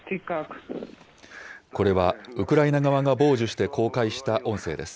これは、ウクライナ側が傍受して公開した音声です。